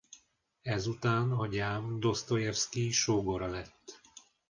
Ezután a gyám Dosztojevszkij sógora lett.